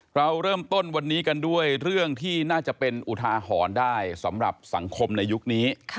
เราเริ่มต้นวันนี้กันด้วยเรื่องที่น่าจะเป็นอุทาหรณ์ได้สำหรับสังคมในยุคนี้